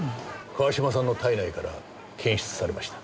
川島の体内から検出されました。